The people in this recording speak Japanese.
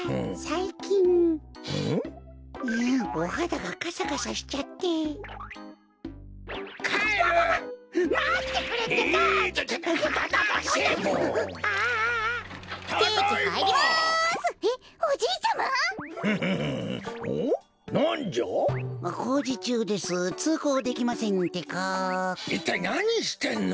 いったいなにしてんの？